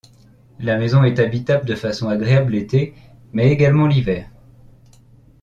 La maison est habitable de façon agréable l'été, mais également l'hiver.